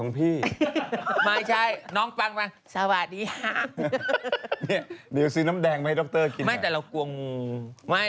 นี่เรากำลังพูดถึงเรื่องกล้วย